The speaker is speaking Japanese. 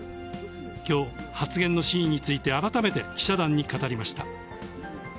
きょう、発言の真意について改めて記者団に語りました。